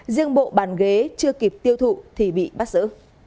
riêng bộ bàn ghế chưa kịp tiêu thụ thì bị bắt giữ